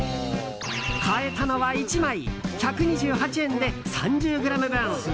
買えたのは１枚１２８円で３０ｇ分。